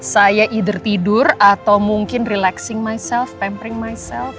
saya either tidur atau mungkin relaxing myself pampering myself